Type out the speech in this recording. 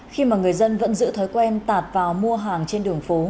khi mà người dân vẫn giữ thói quen tạt vào mua hàng trên đường phố